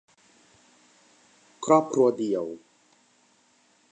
ครอบครัวเดี่ยว